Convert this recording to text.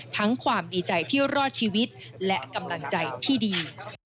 ความดีใจที่รอดชีวิตและกำลังใจที่ดี